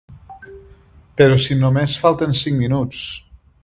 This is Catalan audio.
Però si només falten cinc minuts!